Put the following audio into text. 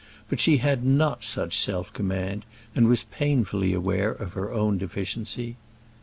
But she had not such self command, and was painfully aware of her own deficiency.